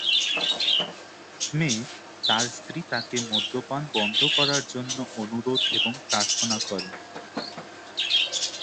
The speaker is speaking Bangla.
মে, তার স্ত্রী তাকে মদ্যপান বন্ধ করার জন্য অনুরোধ এবং প্রার্থনা করে।